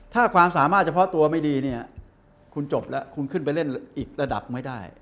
ถ้าความสามารถเฉพาะตัวไม่ดีเนี่ยคุณจบแล้วคุณขึ้นไปเล่นอีกระดับไม่ได้